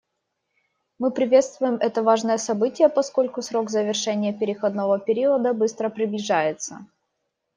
Мы приветствуем это важное событие, поскольку срок завершения переходного периода быстро приближается.